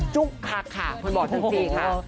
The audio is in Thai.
จุ๊กคักค่ะคุณบอกจริงค่ะ